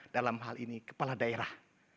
dalam hal ini kepala daerah